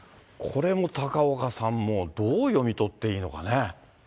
これも高岡さん、もう、どう読み取っていいのかね。